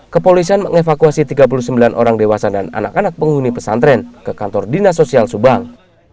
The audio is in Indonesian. kepolisian mengevakuasi tiga puluh sembilan orang dewasa dan anak anak penghuni pesantren ke kantor dinas sosial subang